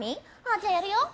じゃあやるよ。